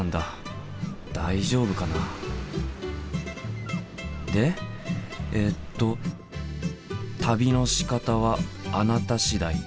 大丈夫かな？でえっと「旅のしかたはあなた次第。